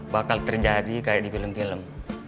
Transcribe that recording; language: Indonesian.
bakal terjadi kayak di film film